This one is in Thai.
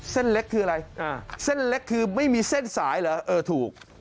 เส้นเล็กคืออะไรเส้นเล็กคือไม่มีเส้นสายเหรอเออถูก